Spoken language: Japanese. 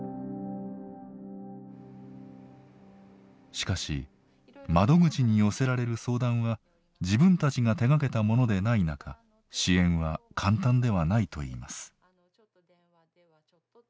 しかし窓口に寄せられる相談は自分たちが手がけたものでない中支援は簡単ではないといいます。